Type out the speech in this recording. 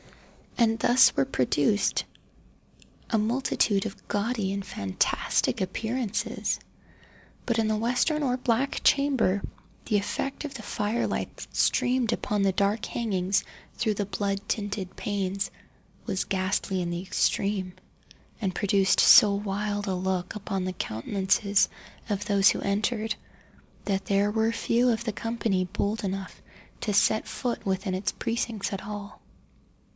And thus were produced a multitude of gaudy and fantastic appearances. But in the western or black chamber the effect of the fire light that streamed upon the dark hangings through the blood tinted panes, was ghastly in the extreme, and produced so wild a look upon the countenances of those who entered, that there were few of the company bold enough to set foot within its precincts at all.